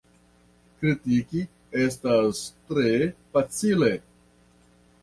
Kritiki estas tre facile.